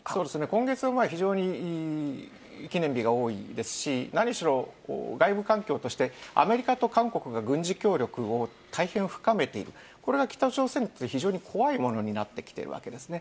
今月は非常に記念日が多いですし、何しろ外部環境として、アメリカと韓国が軍事協力を大変深めている、これが北朝鮮にとって非常に怖いものになってきているわけですね。